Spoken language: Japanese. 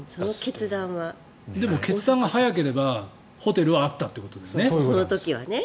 でも決断が早ければホテルはあったってことですね。